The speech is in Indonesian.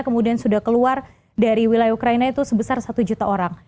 kemudian sudah keluar dari wilayah ukraina itu sebesar satu juta orang